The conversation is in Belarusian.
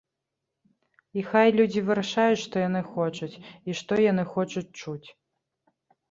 І хай людзі вырашаюць, што яны хочуць, і што яны хочуць чуць.